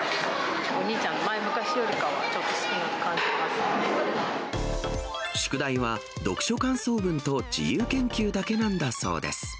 お兄ちゃんのころよりはちょ宿題は読書感想文と自由研究だけなんだそうです。